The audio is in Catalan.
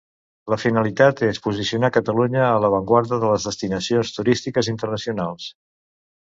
La finalitat és posicionar Catalunya a l'avantguarda de les destinacions turístiques internacionals.